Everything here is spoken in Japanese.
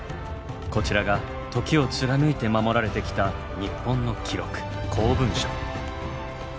こちらが時を貫いて守られてきた日本の記録公文書。